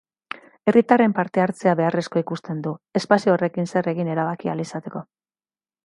Herritarren partehartzea beharrezko ikusten du, espazio horrekin zer egin erabaki ahal izateko.